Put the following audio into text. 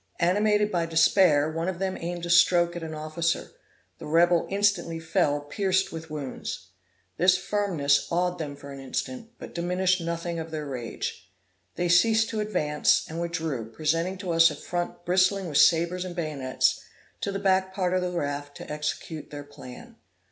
Animated by despair, one of them aimed a stroke at an officer; the rebel instantly fell, pierced with wounds. This firmness awed them for an instant, but diminished nothing of their rage. They ceased to advance, and withdrew, presenting to us a front bristling with sabres and bayonets, to the back part of the raft to execute their plan.